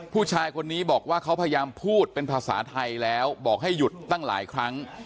ผู้ชายคนนี้บอกว่าเขาพยายามพูดเป็นภาษาไทยแล้วบอกให้หยุดตั้งหลายครั้ง